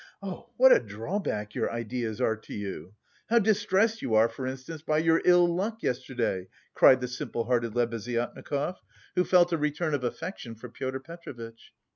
oh, what a drawback your ideas are to you! How distressed you are for instance by your ill luck yesterday," cried the simple hearted Lebeziatnikov, who felt a return of affection for Pyotr Petrovitch.